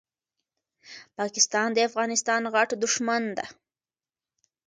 پاکستان دي افغانستان غټ دښمن ده